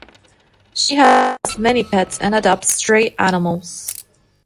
She has many pets and adopts stray animals.